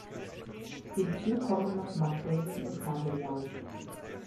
Hinzu kommen noch Makrelen und Kabeljau.